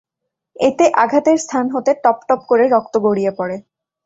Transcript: এতে আঘাতের স্থান হতে টপটপ করে রক্ত গড়িয়ে পড়ে।